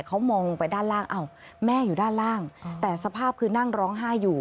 เขามองไปด้านล่างอ้าวแม่อยู่ด้านล่างแต่สภาพคือนั่งร้องไห้อยู่